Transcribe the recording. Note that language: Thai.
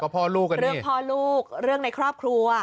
พ่อลูกกันเรื่องพ่อลูกเรื่องในครอบครัว